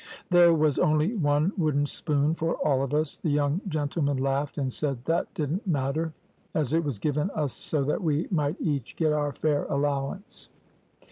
There was only one wooden spoon for all of us; the young gentlemen laughed, and said that didn't matter, as it was given us so that we might each get our fair allowance.